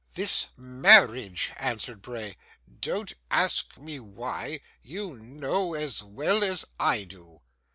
'This marriage,' answered Bray. 'Don't ask me what. You know as well as I do.